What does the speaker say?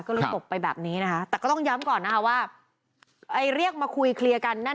ก็เลยตบไปแบบนี้นะคะแต่ก็ต้องย้ำก่อนนะคะว่าเรียกมาคุยเคลียร์กันนั่น